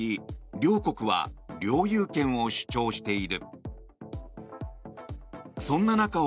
両国は領有権を主張している。